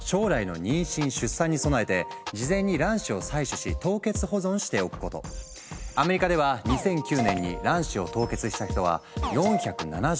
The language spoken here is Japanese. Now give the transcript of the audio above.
さっきも紹介したとおりアメリカでは２００９年に卵子を凍結した人は４７５人。